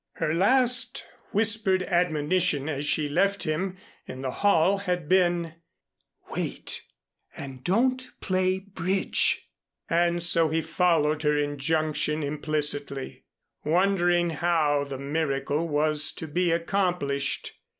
Her last whispered admonition as she left him in the hall had been "Wait, and don't play bridge!" and so he followed her injunction implicitly, wondering how the miracle was to be accomplished.